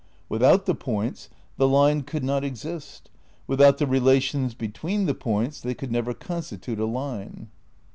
... Without the points the line could not exist; without the rela tions between th« points they could never constitute a line."